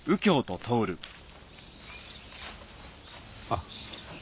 あっ。